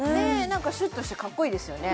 なんかシュッとしてかっこいいですよね